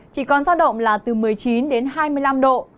chỉ còn giao động là từ một mươi chín đến hai mươi năm độ